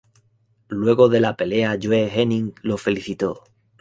Luego de la pelea Joe Hennig lo felicitó.